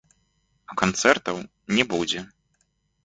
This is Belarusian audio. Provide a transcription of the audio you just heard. А канцэртаў не будзе.